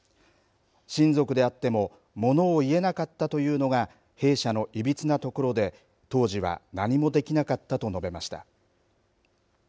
親族であってもものを言えなかったというのが弊社のいびつなところで当時は何もできなかったと述べました。